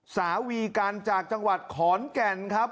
สาวีกันจากจังหวัดขอนแก่นครับ